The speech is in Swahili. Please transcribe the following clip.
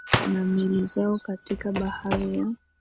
na meli zao katika bahari ya